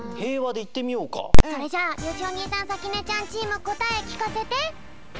それじゃあよしお兄さんさきねちゃんチームこたえきかせて！